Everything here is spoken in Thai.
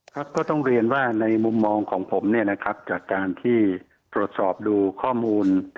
ก็ต้องเรียนว่าในมุมมองของผมจากการที่ตรวจสอบดูข้อมูล